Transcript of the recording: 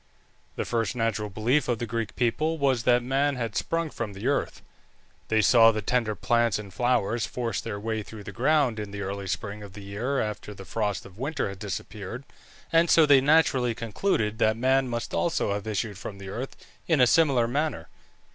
The first natural belief of the Greek people was that man had sprung from the earth. They saw the tender plants and flowers force their way through the ground in the early spring of the year after the frost of winter had disappeared, and so they naturally concluded that man must also have issued from the earth in a similar manner.